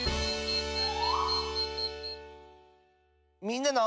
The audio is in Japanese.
「みんなの」。